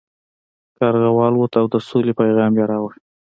کارغه والوت او د سولې پیام یې راوړ.